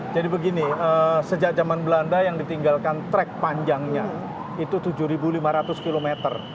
jadi begini sejak zaman belanda yang ditinggalkan trek panjangnya itu tujuh ribu lima ratus km